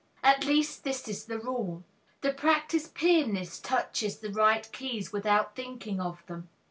At least, this is the rule. The practiced pianist touches the right keys without thinking of them.